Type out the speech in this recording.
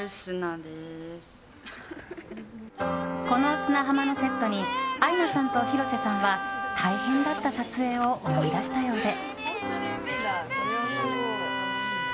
この砂浜のセットにアイナさんと広瀬さんは大変だった撮影を思い出したようで。